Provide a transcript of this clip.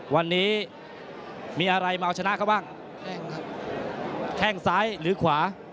วันนี้มีอะไรมาเอาชนะเขาบ้างแข้งซ้ายหรือขวา